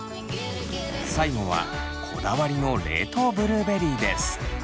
最後はこだわりの冷凍ブルーベリーです。